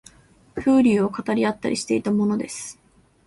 風流を語り合ったりしていたものです